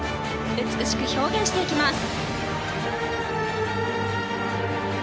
美しく表現していきます。